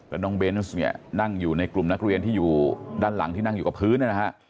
แล้วน้องเบนส์เนี่ยนั่งอยู่ในกลุ่มนักเรียนที่อยู่ด้านหลังที่นั่งอยู่กับพื้นนะฮะ